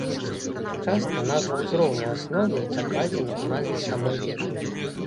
Часта, назва ўзроўня асновы закладзена ў назве самой вежы.